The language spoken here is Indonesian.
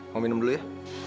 mau minum dulu ya